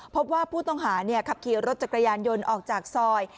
พบว่าผู้ต้องหาขับขี่รถจักรยานยนต์ออกจากซอย